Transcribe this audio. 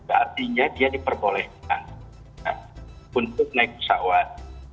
artinya dia diperbolehkan untuk naik pesawat